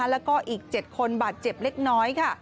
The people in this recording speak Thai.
แล้วก็อีก๗คนบาดเจ็บเล็กน้อยค่ะ